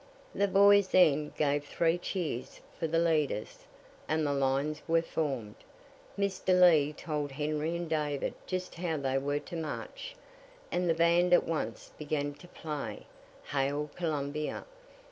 The boys then gave three cheers for the leaders, and the lines were formed. Mr. Lee told Henry and David just how they were to march, and the band at once began to play "Hail Columbia."